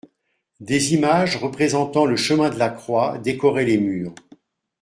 Des images représentant le chemin de la croix décoraient les murs.